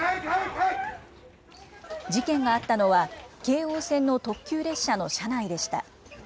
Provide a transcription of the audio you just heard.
事件があったのは、京王線の特急列車の車内でした。